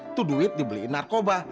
itu duit dibeliin narkoba